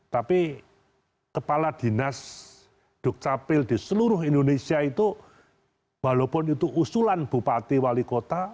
tapi kepala dinas dukcapil di seluruh indonesia itu walaupun itu usulan bupati wali kota